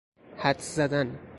حدس زدن